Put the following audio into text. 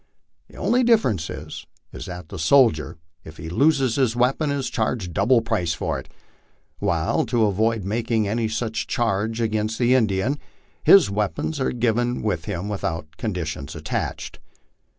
The only difference is, that the soldier, if he loses his weapon, is charged double price for it; while to avoid making any such charge against the Indian, his weapons are given him without conditions attached.